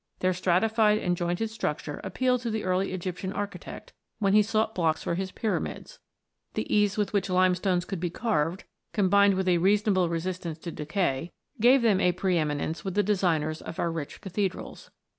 Their stratified and jointed structure appealed to the early Egyptian architect, when he sought blocks for his pyramids. The ease with which limestones could be carved, combined with a reasonable resistance to decay, n] THE LIMESTONES 13 gave them a pre eminence with the designers of our rich cathedrals.